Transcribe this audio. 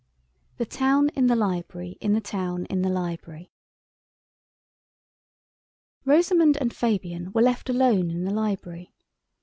THE TOWN IN THE LIBRARY IN THE TOWN IN THE LIBRARY ROSAMUND and Fabian were left alone in the library.